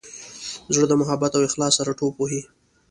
زړه د محبت او اخلاص سره ټوپ وهي.